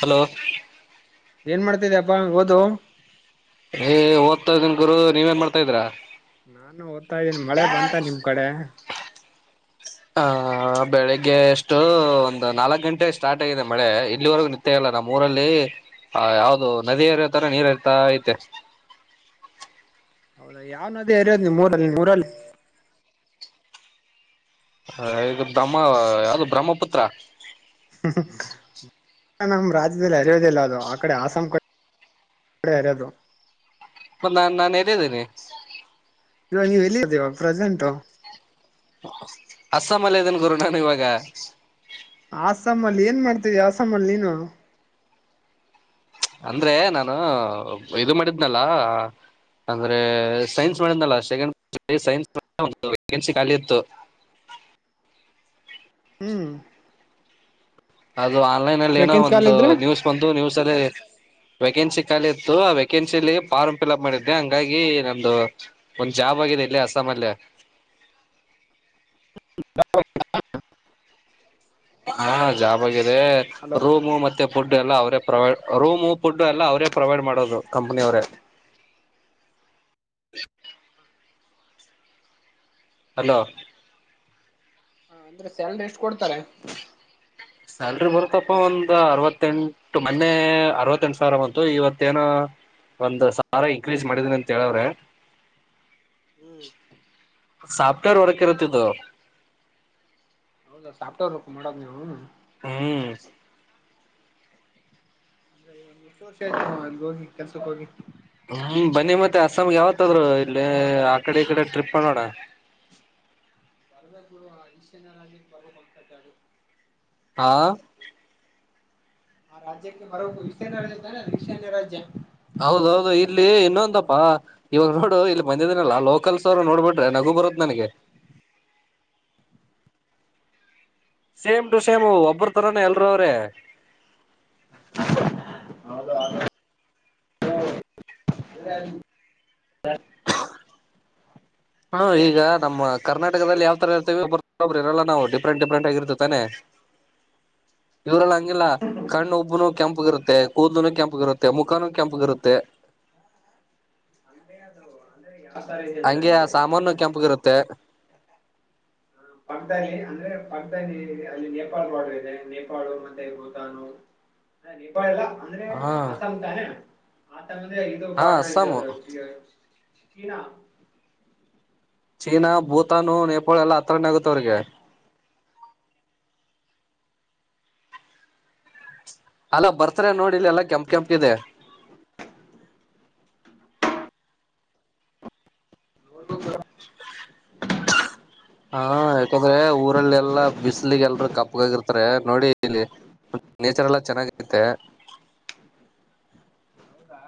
hello ಏನ್ ಮಾಡ್ತಿದ ಅಪ್ಪಾ ಓದು ಏ್ ಓದ್ತಾ ಇದ್ದನ್ ಗುರು ನೀವೇನ್ ಮಾಡ್ತಾ ಇದ್ರಾ ನಾನು ಓದ್ತಾ ಇದ್ದೀನಿ ಮಳೆ ಬಂತ ನಿಮ್ ಕಡೆ ಹ ಆಹ ಬೆಳಿಗ್ಗೆ ಅಷ್ಟು ಒಂದು್ ನಾಲ್ಕು ಗಂಟೆ ಸ್ಟಾರ್ಟ್ ಆಗಿದೆ ಮಳೆ ಇಲ್ಲಿವರೆಗೂ ನಿತ್ಯ ಇಲ್ಲ ನಮ್ಮ ಊರಲ್ಲಿ ಆ ಯಾವ್ದದು ನದಿ ಹಏರಿೋತರ ನೀರ್ ಇರ್ತ ಐತೆ ಹೌದಾ ಯಾವ್ನದೇ ಇರಯೋದ್ ನೀ ಮೂರಲ್ಲಿ ಮೂರಲ್ಲಿ ಹ ಈಗ ಬ್ರಹ್ಮ ಯಾವ್ದು ಬ್ರಹ್ಮಪುತ್ರ ್ಮ ನಮ್ಮ್ ರಾಜ್ಯದಲ್ಲಿ ಅರಿಯೋದಿಲ್ಲ ಅದು ಆ ಕಡೆ ಆಸಾಂ ಕಡೆ ಎಡೆ ಆರದು ನಾನ್ ನಾನು ಎದಿದ್ದೇನೆ ಇವ ನೀವ್ ಎಲ್ಲಿ ಇದ್ದೀವಾ ಪ್ರೆಸೆಂಟು ಅಸ್ಸಾಂ ಅಲ್ಲ ಇದನ್ ಗುರು ನಾನ ಇವಾಗ ಅಸ್ಸಂ ಅಲ್ಲಿ ಏನ್ ಮಾಡ್ತೀವಿ ಅಸ್ಸಾಾಮ ಅಲ್ಲಿ ನೀನು ಅಂದ್ರೆ ನಾನು ಇದು ಮಾಡಿದ್ನಲ್ಲ ಅಂದ್ರೆ ಸೈನ್ಸ್ ಮಾಡಲ್ಲ ಸ್ ಸೈನ್ ವನ್ಸಿ ಖಾಲಿ ಇತ್ತು ಆ ಹ್ಮ್ ಇದು ಆನ್ಲೈನ್ ಅಲ್ಲಿ ಏನೋ ವೇಕೆನ್ಸಿ ಖಾಲಿ ಒಂದು ಇದ್ರೆ ನ್ಯೂಸ್ ಬಂತ ನ್ಯೂಸ್ ಅಲ್ಲಿ ವೇಕೆನ್ಸಿ ಇತ್ತು ಆ ವೇಕೆನ್ಸಿಲಿ ಫಾರ್ಮ್ ಫಿಲ್ಅಪ್ ಮಾಡಿದ್ದೆ ಹಂಗಾಗಿ ನಮ್ದ ಒಂದು ಜಾಬ್ ಆಗಿದೆ ಇಲ್ಲಿ ಹಸ ಮಲ್ಲೆ ಹ ಹಾ ಜಾಬ್ ಆಗಿದೆ ಹಲೋ ರೂಮು ಮತ್ತೆ ಪಡ್ ಎಲ್ಲ ಅವರೇ ಪ್ರೊವೈಡ್ ರೂಮ್ ಪಡ್ು ಎಲ್ಲ ಅವರೇ ಪ್ರೊವೈಡ್ ಮಾಡೋದು ಕಂಪನಿ ಅವರೇ ಹಲೋ ಹ ಅಂದ್ರೆ ಸ್ಯಾಲ್ರಿ ಎಷ್ಟು ಕೊಡ್ತಾರೆ ಸ್ಯಾಲ್ರಿ ಬರುತ್ತಪ್ಪ ಒಂದ್ ಅರವತ್ತೆಂಟು ಮೊನ್ನೆ ಅರವತ್ತೆಂಟು ಸಾವಿರ ಬಂತು ಇವತ್ತ ಏನ ಒಂದ ಸಾರ ಇನ್ಕ್ರೀಸ್ ಮಾಡಿದೀನಿ ಅಂತ ಹೇಳವ್ರೆ ಹ್ಮ್ ಸಾಫ್ಟವೇರ್ ಉರಕರತದೋ ಹೌದಾ ಸಾಫ್ಟೇರ್ ವರ್ಕ್ ಮಾಡೋದು ನೀವು ಹ್ಮ್ ಅಂದ್ರೆ ಒ್ ಎಷ್ಟು ವರ್ಷ ಆಯ್ತಮ್ಮ ಅನ್ ಹೋಗಿ ಕೆಲ್ಸಕ್ಕೆ ಹೋಗಿ ಹ್ಮ್ ಬನ್ನಿ ಮತ್ತೆ ಅಸ್ಸಾಂಗೆ ಯಾವತ್ಾದ್ರು ಇಲ್ಲಿ ಆ ಕಡೆ ಈ ಕಡೆ ಟ್ರಿಪ್ ಮಾಡೋಡ ಬರ್ಬೇಕುಡುವ ಈಶನ್ಯರ ಬರ್ಬೇಕಕ್ ಅತತಿ ಅದು ಹಾ ಆ ರಾಜ್ಯಕ್ಕೆ ಮರೋ ವಿಸ್ಣರ ರಾಜ್ಯ ಈಶಾನ್ಯ ರಾಜ್ಯ ಹೌದೌದು ಇಲ್ಲಿ ಇನ್ನೊಂದಪ್ಪಾ ಇವಾಗ ನೋಡು ಇಲ್ಲಿ ಬಂದಿದನಲ್ಲ ಲೋಕಲ್ಸ್ ಅವರು ನೋಡ್ಬಿಟ್ಟು ನಗು ಬರುತ್ ನನಗೆ ಸೇಮ್ ಟು ಸೇಮ್ ಒಬ್ಬ್ರ ತರನ ಎಲ್ರ ಅವ್ರೇ ಹೌದು ಹ ಈಗ ನಮ್ಮ ಕರ್ನಾಟಕದಲ್ಲಿ ಯಾವ ತರ ಇರ್ತವಿ ಒಬ್ಬ ಒಬ್ಬರುರಲ್ಲ ನಾವು ಡಿಫ್ರಂಟ್ ಡಿಫ್ರಂಟ್ ಆಗಿರ್ತಾನೆ ಇವ್ರಲ್ಲ ಹಂಗಿಲ್ಲ ಕಣ್ಣು ಉಬ್ಬನು ಕೆಂಪಗಿರುತ್ತೆ ಕೂದನು ಕೆಂಪ ಇರುತ್ತೆ ಮುಖಾನೂ ಕೆಂಪಗಿರುತ್ತೆ ಹ ಅಂದ್ರೆ ಅದು ಅ್ರೆ ಹಂಗೆ ಆ ಸಾಮಾನು ಕೆಂಪಗಿರುತ್ತೆ ಪಾಗ್ದಾಲಿ ಅಂದ್ರೆ ಪಾಗ್ದಾಲಿ ಅಲ್ಲಿ ನೇಪಾಳ್ ಬಾರ್ಡರ್ ಇದೆ ನೇಪಾಳ ಮತ್ತೆ ಭೂತಾನು ಹ ನೇಪಾಳ ಎಲ್ಲ ಅಂದ್ರೆ ಹಾ ಅಸ್ಸಾಂ ತಾನೆ ದು ಹಾ ಪಾರ್ ಇ ಅಸ್ಸಾಮು ಚೀನಾ ಭೂತಾನು ನೇಪಾಳ ಎಲ್ಲಾ ಹತ್ರರನ ಆಗುತ್ತ ಅವ್ರಿಗೆ ಅಲ್ಲ ಬರ್ತಾರೆ ನೋಡಿಲ್ಲಿ ಎಲ್ಲಾ ಕೆಂಪ್ ಕೆಂಪ್ ಇದೆ ಹ ಹಾ ಯಾಕಂದ್ರೆ ಊರಲ್ಲ ಎಲ್ಲಾ ಬಿಸಿಲಿಗೆ ಎಲ್ರ ಕಪ್ಗಾಗಿರ್ತಾರೆ ನೋಡಿ ಇಲ್ಲಿ ನೇಚರ್ ಎಲ್ಲ ಚೆನ್ನಾಗಿತೆ ಹೌದಾ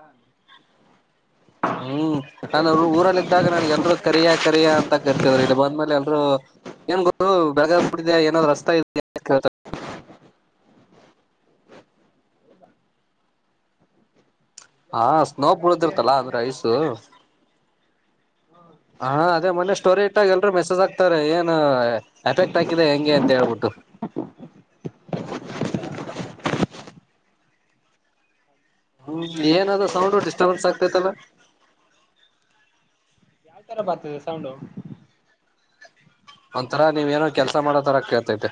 ಹ್ಮ್ ನಾನ ಊರಲ್ಲಿ ಇದ್ದಾಗ ನನ್ಗೆ ಎಲ್ರುೂ ಕರಿಯ ಕರಿಯಾ ಅಂತ ಕರ್ತಿದ್ರರು ಇಲ್ಲಿ ಬಂದ್ಮೇಲೆ ಎಲ್ರುೂ ಏನ್ ಗೋರು ಬೇಗ ಬಿಟ್ಟಿದೆ ಏನಾದ್ ರಸ್ತೆ ಇ ಹಾ ಸ್ನೋ ಬೆಳಗಾವಿಗೆ ಪೂಳದಿರ್ತಲ್ಲ ಮೊನ್ನೆ ಅಂದ್ರೆ ಐಸ ಕಾಲ್ ಮಾಡಿದೆ ಹಾ ಅದೇ ಮೊನ್ನೆ ಸ್ಟೋರಿ ಇಟ್ಟಾಗ ಎಲ್ರರು ಮೆಸೇಜ್ ಆಗ್ತಾರೆ ಏನ್ ಎಫೆಕ್ಟ್ ಆಾಕಿದೆ ಹೆಂಗೆ ಅಂತ ಹೇಳ್ಬಿಟ್ಟು ಹ ಹ್ಮ್ ಏನದ ಸೌಂಡು ಆಸಾಮ್ ಡಿಸ್ಟರ್ಬನ್ಸ್ ಆಗ್ತೇತಲ್ಲ ಯಾವ್ ತರ ಬರ್ತದೆ ಸೌಂಡು ಒಂಥರಾ ನೀವೇಏನೋ ಕೆಲ್ಸ ಮಾಡೋ ತರ ಕೇಳ್ತತೆ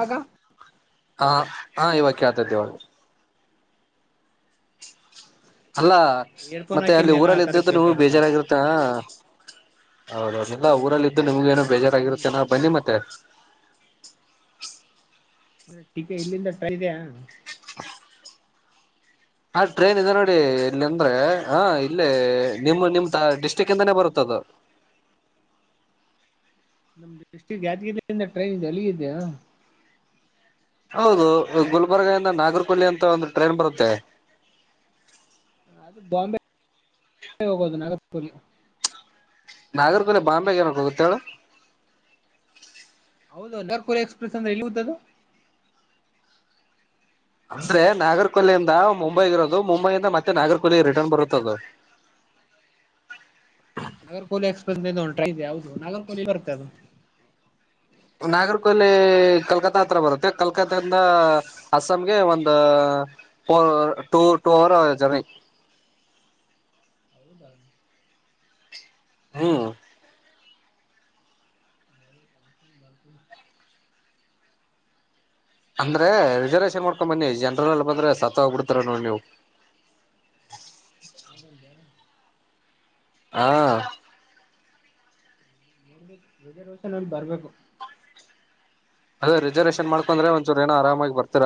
ಾಗ ಹ ಹಾ ಇವಕ್ಕೆ ಆತ್ದವದು ಅಲ್ಲಾ ಇಯರ್ಫೋನ್ ಮತ್ತೆ ಅಲ್ಲಿ ಹಾಕಿಂದೆಲ್ಲ ಆ ಊರಲ್ಲಿ ತರ ಇದ್ದಿದ್ದ ಕೇಳ್ತಾರ ಬೇಜಾರಾಗಿರುತ್ತೆ ಹೌದೌದುಲ್ಲ ಊರಲ್ಲ ಇದಿದ್ದು ನಿಮ್ಗ ಏನೋ ಹ್ಮ್ ಬೇಜಾರಾಗಿರುತ್ತೆನ ಬನ್ನಿ ಮತ್ತೆ ಮೆ ಟೀಕೆ ಇಲ್ಲಿಂದಟ ಇದಯ ಹ ಟ್ರೈನ್ ಇದೆ ನೋಡಿ ಇಲ್ಲಿ ಅಂದ್ರೆ ಹ ಇಲ್ಲಿ ನಿಮ್ಮ ನಿಮ್ ಡಿಸ್ಟ್ರಿಕ್ ಇಂದಾನೇ ಬರುತ್ತದೆ ಮದ ನಮ್ದ ಡಿಸ್ಟ್ರಿಕ್ಟ್ ಯಾದಗಿರಿಯಿಂದ ಟ್ರೈನ್ ಇದೆ ಅಲ್ಲಿ ಇದೆಯಾ ಹೌದು ಗುಲ್ಬರ್ಗ ಇಂದ ನಾಗರ್ಕಲ್ಲಿ ಅಂತ ಒಂದು ಟ್ರೈನ್ ಬರುತ್ತೆ ಬಾಂಬೆ ಹೋಗೋದು ನ ನಾಗರ್ಕೋಲೆ ಬಾಂಬೆ ಏನಕ್ಕ ಗೊತ್ತೇಳ ಹೌದು ನರ್ಪುರ್ ಎಕ್ಸ್ಪ್ರೆಸ್ ಅಂದ್ರೆ ಇಲ್ಲಿ ಹತ್ತ ಅದು ಅಂದ್ರೆ ನಾಗರ್ಕಲ್ಲಿಯಿಂದ ಮುಂಬೈಗ ಇರೋದು ಮುಂಬೈಯಿಂದ ಮತ್ತೆ ನಾಗರ್ಕೊಲ್ಲಿ ರಿಟರ್ನ್ ಬರುತ್ತದು ಯ ನಾಗರಕೋಲಿ ಎಕ್ಸ್ಪಸ್ಂಟ್ರ ಇದೆ ಹದು ನಾಗರಕೋಲಿ ಬರುತ್ತೆ ಅದು ನಾಗರ್ ಕೊಹ್ಲಿ ಕಲ್ಕತ್ತಾ ಹತ್ರ ಬರುತ್ತೆ ಕಲ್ಕತಿಂದ ಅಸ್ಸಾಂಗೆ ಒಂದು ಟ ಟೂ ಆರ ಜ ಹ್ಮ್ ಬರ್ಪೂರಿ ಅಂದ್ರೆ ರಿಸರ್ವೇೇಶನ್ ಮಾಡ್ಕೊಂಡ್ ಬನ್ನಿ ಜನರಲ್ಲ್ಲ ಬಂದ್ರೆ ಸತ್ ಹೋಗ್ಬಿಡ್ತಾರ ನೋ ನೀವು ಹ ಚಲ್ದಾರ ಹಾ ರಜರ್ವಷನ್ಲ್ಲಿ ಬರ್ಬೇಕು ಅದೇ ರಿಸರ್ವೇಶನ್ ಮಾಡ್ಕೊಂಡಂದ್ರೆ ಒಂದ್ಸೂರು ಏನ ಆರಾಮಾಗಿ ಬರ್ತರ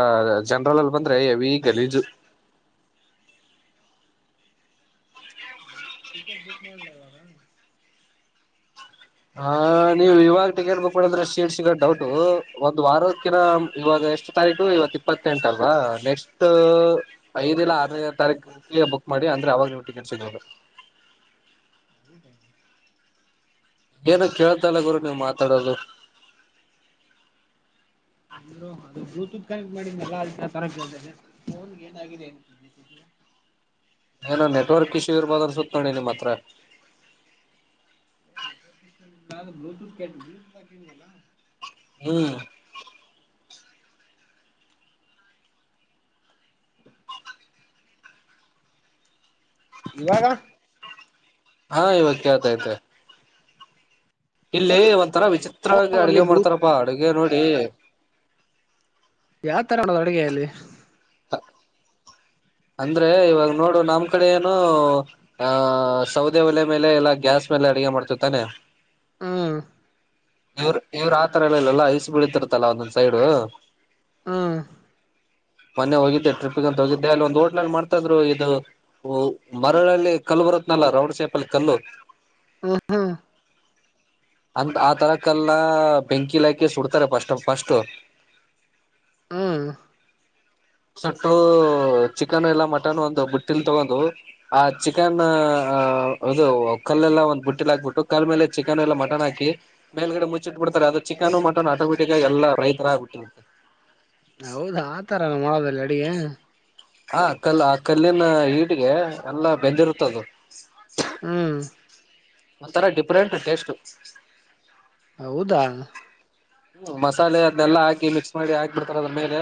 ಜನರಲ್ ಅಲ್ಲಿ ಬಂದ್ರೆ ಎವಿ ಗಲೀಜು ಟಿ ಟಿಕೆಟ್ ಬುಕ್ ಮಾಡ್ಲ ಇವಾಗ ಹ ನೀವುಇವಾಗ ಟಿಕೆಟ್ ಬುಕ್ ಮಾಡಂದ್ರೆ ಶೀಡ್ ಸಿಗ ಡೌಟ ಒಂದ್ ವಾರಕ್ಕಿಿನ ಇವಾಗ ನೆಕ್ಸ್ತಾರೀಕು ಇವತ್ ಇಪ್ಪತ್ತೆಂಟ ಅಲ್ವಾ ನೆಕ್ಸ್ ಐದ ಇಲ್ಲ ಆರನೇ ತಾರೀಕು ಬ ಮಾಡಿ ಅಂದ್ರೆ ಅವಾಗ ಊಟಿಕನ್ ಸಿಗದು ಹೌದ ಏನು ಕೇಳತಲ್ಲ ಗುರು ನೀವು ಮಾತಾಡೋದು ಎಲ್ಲ ಅದು ಬ್ಲೂಟೂತ್ ಕನೆಕ್ಟ್ ಮಾಡಿದಲ್ಲ ತರದೆ ಫೋನ್ ಏನಾಗಿದೆ [inaudible] ಏನ ನೆಟ್ವರ್ಕ್ ಇಶ್ಯೂ ಇರ್ಬೋದನ್ನ ಸುತ್ತ ನೋಡಿ ನಿಮ್ಮ ಹತ್ರ ನೆಟ್ಕ್ [unintelligible] ಬ್ಲೂಲ್ಲ ಹ್ಮ್ ಇವಾಗ ಹಾ ಇವತ್ತು ಕೇಳ್ತಾ ಇದೆ ಇಲ್ಲಿ ಒಂಥರ ಅದೇ ಅದು ವಿಚಿತ್ರವಾಗಿ ಫೋನ್ ಅಲ್ಲಿ ಅಡ್ಗೆ ಬ್ಲೂಟೂತ್ ಮಾಡ್ತಾರಪ್ಪಾ ಅಡುಗೆ ನೋಡಿ ಯಾವ ತರ ಮಾಡೋದು ಅಡುಗೆಯಲ್ಲಿ ಹ ಅಂದ್ರೆ ಇವಾಗ ನೋಡು ನಮ್ ಕಡೆ ಏನು ಆ ಸೌದೆ ಒಲೆ ಮೇಲೆ ಎಲ್ಲಾ ಗ್ಯಾಸ್ ಅಡುಗೆ ಮಾಡ್ತಿತ್ತ ತಾನೆ ಹ್ಮ್ ಇವ್ರ ಇವ್ರು ಆತರ ಎಲ್ಲ ಇಲ್ಲಲ್ಲ ಇಸ ಬೀಳತಿರ್ತಲ್ಲಾ ಒಂದೊಂದ್ ಸೈಡು ಹ್ಮ್ [inaudible] ಮೊನ್ನೆ ಹೋಗಿದ್ದೆ ಟ್ರಿಪ್ಪಿಗೆ ಅಂತ ಹೋಗಿದ್ದೆ ಅಲ್ಲಿ ಒಂದು ಹೋಟ್ಲಲ್ಲಿ ಮಾಡ್ತ ಇದ್ರು ಇದು ಮರಳಲ್ಲಿ ಕಲ್ಬುರ ಆಲ್ಲ ರೌಡ್ ಸೇಪಲ್ಲಿ ಕಲ್ಲು ಹ್ಮ ಹಾ ಅಂತ ಆ ತರಕಲ್ಲ ಬೆಂಕಿ ಇಲಾಖೆ ಸುಡ್ತಾರೆ ಪಸ್ಟ್ ಫಸ್ಟ್ ಹ್ಮ್ ಸಟ್ಟ ಚಿಕನ್ ಇಲ್ಲ ಮಟನ್ ಒಂದು ಬುಟ್ಟಲ್ ತಗೊಂಡ್ ಆ ಚಿಕನ್ ಆ ಅದು ಕಲ್ಲೆಲ್ಲ ಒಂದ್ ಬುಟ್ಟಿಲ್ ಹಾಕ್ಬಿಟ್ಟು ಕಲ್ ಮೇಲೆ ಚಿಕನ್ ಎಲ್ಲ ಮಟನ್ ಹಾಕಿ ಮೇಲ್ಗಡೆ ಮುಚ್ಚಿಟ್ಬಿಟ್ಟು ರೆ ಅದು ಚಿಕನ್ ಮಟನ್ ಆಟೋಮೆಟಿಕ್ ಆ ಎಲ್ಲ ರೈತರಗ ಬಿಟ್ಟಿಂತೆ ಹೌದಾ ಆತರ ನ ಮಾಡೋದಲ್ಲ ಅಡಗೆ ಹಾ ಕಲ್ಲ ಆ ಕಲ್ಲಿನ ಹೀಟಿಗೆ ಎಲ್ಲಾ ಬೆದಿರುತದು ಹ್ಮ್ ಒಥರ ಡಿಫ್ರೆಂಟ್ ಟೆಸ್ಟು ಹೌದಾ ಮಸಾಲೆ ಅದನೆಲ್ಲ ಹಾಕಿ ಮಿಕ್ಸ್ ಮಾಡಿ ಹಾಕ್ ಬಿಡ್ತಾರ ಅದ ಮೇಲೆ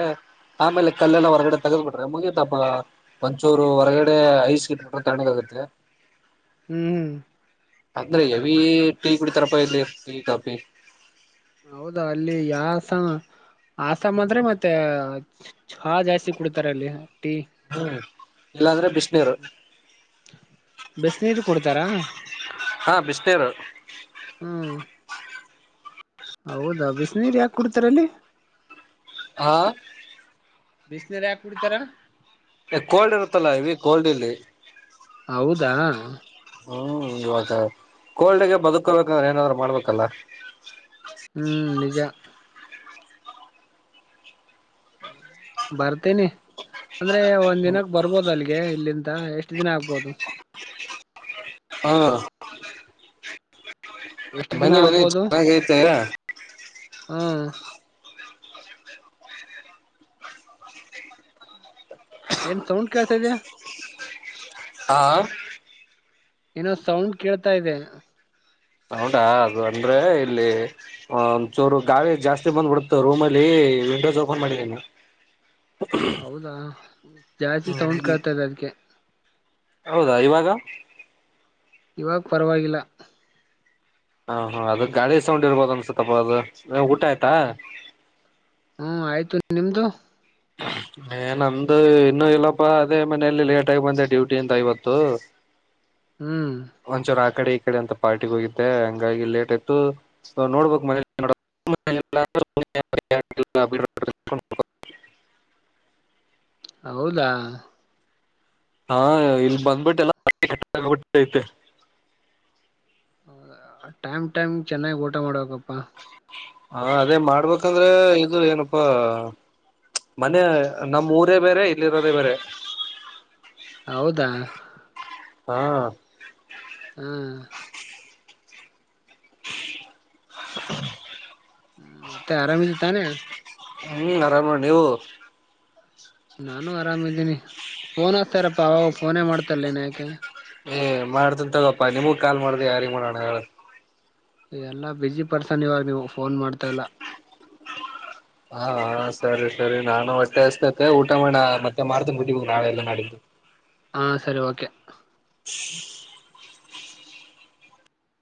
ಆಮೇಲೆ ಕಲ್ಲೆಲ್ಲ ಹೊರಗಡೆ ತಗದ್ಬಿಟ್ರೆ ಮುಗೀತಾಪ ಮಂಚೂರು ಹೊರಗಡೆ ಐಸ್ ಇಟ್ಬಿಟ್ರೆ ತಣ ಆಗತ್ತೆ [inaudible] ಹ್ಮ್ ಅಂದ್ರೆ ಎವಿ ಟೀ ಕುಡಿತರಪ್ಪ ಇಲಿ ಟೀ ಕಾಫಿ ಹೌದಾ ಅಲ್ಲಿ ಯಾಸ ಆಸಾಮ ಅಂದ್ರೆ ಮತ್ತೆ ಚಛಾ ಜಾಸ್ತಿ ಕುಡ್ತಾರ ಅಲ್ಲಿ ಟೀ ಹ್ಮ ಇಲ್ಲಾಂದ್ರೆ ಬಿಸಿನೀರು ಬಿಸಿನೀರು ಕುಡ್ತಾರಾ ಹಾ ಬಿಸ ಸೇರು ಹ್ಮ್ ಹೌದಾ ಬಿಸಿನೀರ್ ಯಾಕ ಕುಡ್ತಾರ ಅಲ್ಲಿ ಹಾ ಬಿಸಿನರು ಯಾಕ ಕುಡಿತಾರ ಕೋಲ್ಡ್ ಇರತ್ತಲ್ಲಾ ಹೆವಿ ಕೋಲ್ಡ್ ಇಲ್ಲಿ ಹೌದಾ ಹ್ಮ್ ಇವಾಗ ಕೋಲ್ಡಗೆ ಬದುಕೋಬೇಕಂದ್ರೆ ಏನಾದ್ರು ಮಾಡ್ಬೇಕಲ್ಲ ಹ್ಮ್ ನಿಜ ಹ ಬರ್ತೇನಿ ಅಂದ್ರೆ ಒಂದ್ ದಿನಕ್ ಬರ್ಬೋದ ಅಲ್ಗೆ ಇಲ್ಲಿ ಅ ಎಷ್ಟ ದಿನ ಆಗ್ಬೋದು ಹಾ ಎಷ್ಟ್ ದಿನ ಬನ್ನಿ ಬನ್ನಿ ಆಗ್ಬೋದು ಚೆನ್ನಾಗ ಚೆನ್ನಾಗಿರುತ್ತೆ ಹ್ಮ್ ಏನ್ ಸೌಂಡ್ ಕೇಳ್ತ ಇದ್ಯಾ ಹಾ ಏನೋ ಸೌಂಡ್ ಕೇಳ್ತಾ ಇದೆ ಹೌಟಾ ಅದು ಅಂದ್ರೆ ಇಲ್ಲಿ ಒ ಚೋರು ಗಾಳಿ ಜಾಸ್ತಿ ಬಂದ್ಬಿಡುತ್ತೆ ರೂಮ್ ಅಲ್ಲಿ ವಿಂಡೋಸ್ ಓಪನ್ ಮಾಡಿದ್ದೇನು ಹೌದಾ ಜಾಸ್ತಿ ಸೌಂಡ್ ಹ್ಮ ಕಳ್ತದೆ ಅದಕ್ಕೆ ಹೌದಾ ಇವಾಗ ಇವಾಗ ಪರವಾಗಿಲ್ಲ ಹಾ ಹಾ ಅದ ಗಾಡಿಿ ಸೌಂಡ್ ಇರ್ಬೋದ ಅನ್ಸತ್ತಪ್ಪ ಅದು ಊಟ ಆಯ್ತಾ ಹ್ಮ್ ಹ್ಮ್ ಆಯ್ತು ನಿಮ್ದು ಏ ನಮ್ದು ಇನ್ನುೂ ಇಲ್ಲಪ್ಪ ಅದೇ ಮನೇೆಯಲ್ಲಿ ಲೇಟಗಿ ಬಂದೆ ಡ್ಯೂಟಿ ಅಿಂದ ಐವತ್ತು ಹ್ಮ್ ಒಂಚರ ಆ ಕಡೆ ಕಡೆ ಅಂತ ಪಾರ್ಟಿ ಹೋಗಿದ್ದೆ ಹಂಗಾಗಿ ಲೇಟ್ ಆಯತು ನೋಡ್ಬಕ್ ಮ ಲ್ಲ ಹೌದಾ ಹಾ ಇಲ್ಲಿ ಬಂದ್ಬಿಟ್ಟೆಲ್ಲಬಿಟ್ಟೈತೆ ಟೈಮ್ ಟೈಮ್ ಚೆನ್ನಾಗಿ್ ಊಟ ಮಾಡಬೇಕಕಪ್ಪಾ ಹಾ ಅದೇ ಮಾಡ್ಬೇಕಂದ್ರೆ ಇದು ಏನಪ್ಪಾ ಮನೆ ನಮ್ಮ್ ಊರೇ ಬೇರೆ ಇಲ್ಲಿರೋದೇ ಬೇರೆ ಹೌದಾ ಹಾ ಹ್ಮ್ [inaudible] ಹ್ಮ ಮತ್ತೆ ಆರಾಮಿದು ತಾನೆ ಹ್ಮ್ ಆರಾಮ ನೀವು ನಾನು ಆರಾಮಿದ್ದೀನಿ ಫೋನ್ ಹ್ತಾರಪ್ಪ ಅವಾಗ ಫೋನೇ ಮಾಡ್ತಾರೇನ ಯಾಕೆ ಏ ಮಾಡ್ತನ್ ತಗಪ್ಪಾ ನಿಮಗ ಕಾಲ್ ಮಾಡ್ದ ಯಾರಿ ಮಾಡೋಣ ಹೇಳ ಎಲ್ಲ ಬ್ಯುಝಿ ಪರ್ಸನ್ ಇವಾಗ ನೀವು ಫೋನ್ ಮಾಡ್ತಾ ಇಲ್ಲ ಹಾ ಸರಿ ಸರಿ ನಾನು ಹೊಟ್ಟೆ ಅಷ್ಟತತೆ ಊಟ ಮಾಡ ಮತ್ತೆ ಮಾರ್ತನ್ ಬಿಟ್ಟಬ ನಾಳೆಲ್ಲ ನಾಡಿದ್ದು ಹಾ ಸರಿ ಓಕೆ ಹ್ಮ